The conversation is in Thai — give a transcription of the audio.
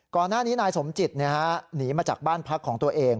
ก่อนหน้านี้นายสมจิตหนีมาจากบ้านพักของตัวเอง